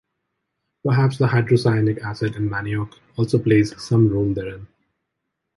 Perhaps, the hydrocyanic acid in manioc also plays some role therein.